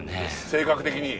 性格的に？